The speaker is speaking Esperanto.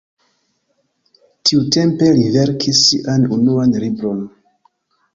Tiutempe li verkis sian unuan libron.